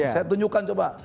saya tunjukkan coba